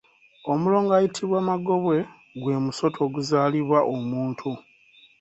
Omulongo ayitibwa Magobwe gw’emusota oguzaalibwa omuntu.